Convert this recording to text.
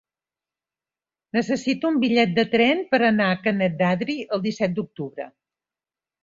Necessito un bitllet de tren per anar a Canet d'Adri el disset d'octubre.